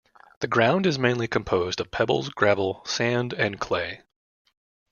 The ground is mainly composed of pebbles, gravel, sand and clay.